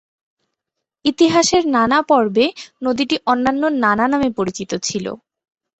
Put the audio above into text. ইতিহাসের নানা পর্বে নদীটি অন্যান্য নানা নামে পরিচিত ছিল।